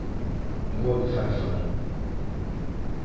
Gol de Farfán.